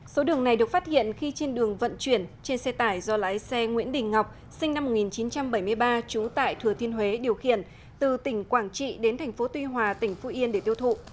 số đường này được phát hiện khi trên đường vận chuyển trên xe tải do lái xe nguyễn đình ngọc sinh năm một nghìn chín trăm bảy mươi ba trú tại thừa thiên huế điều khiển từ tỉnh quảng trị đến thành phố tuy hòa tỉnh phú yên để tiêu thụ